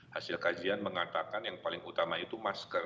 hasil kajian mengatakan yang paling utama itu masker